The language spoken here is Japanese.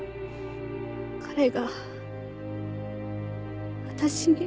彼が私に？